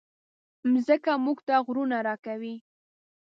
مځکه موږ ته غرونه راکوي.